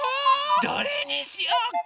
どれにしようか？